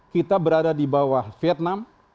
kita berada di bawah vietnam